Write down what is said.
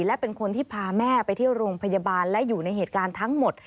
และเป็นคนที่พาแม่ไปเที่ยวโรงพยาบาลและอยู่ในเหตุการณ์ทั้งหมด